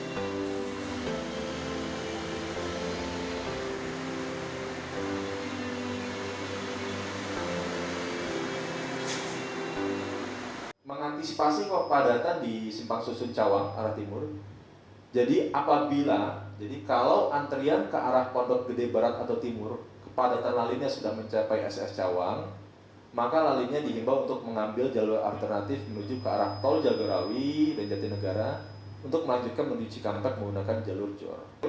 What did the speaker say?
jangan lupa like share dan subscribe channel ini untuk dapat info terbaru